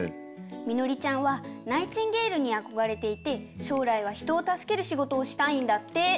みのりちゃんはナイチンゲールにあこがれていてしょうらいはひとをたすけるしごとをしたいんだって。